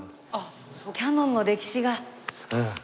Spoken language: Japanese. キヤノンの歴史が。